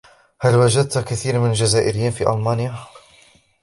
هل وجدت كثيرا من الجزائريين في ألمانيا ؟